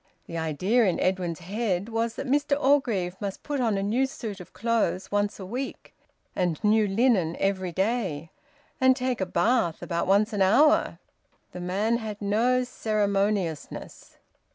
The idea in Edwin's head was that Mr Orgreave must put on a new suit of clothes once a week, and new linen every day, and take a bath about once an hour. The man had no ceremoniousness.